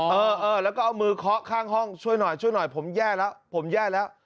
เออแล้วก็เอามือเคาะข้างห้องช่วยหน่อยช่วยหน่อยผมแย่แล้วผมแย่แล้ว